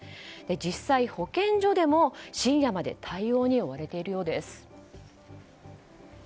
実際、保健所でも深夜まで対応に追われているようです。